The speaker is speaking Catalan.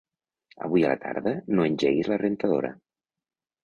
Avui a la tarda no engeguis la rentadora.